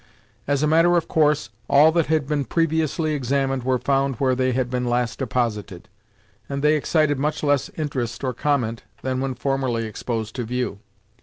As a matter of course, all that had been previously examined were found where they had been last deposited, and they excited much less interest or comment than when formerly exposed to view.